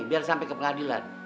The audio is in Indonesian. biar sampai ke pengadilan